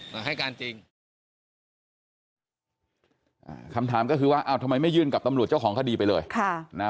ถามคำถามก็คือว่าไม่ยืนกับตำรวจเจ้าของคดีไปเลยค่ะ